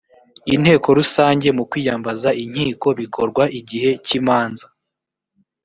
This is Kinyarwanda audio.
inteko rusange mu kwiyambaza inkiko bikorwa igihe cy’imanza